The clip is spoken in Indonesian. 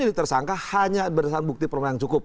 jadi tersangka hanya bersama bukti permulaan cukup